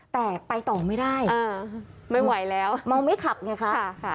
แต่ไปต่อไม่ได้อืมไม่ไหวแล้วเมาไม่ขับไงค่ะค่ะค่ะ